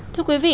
thưa quý vị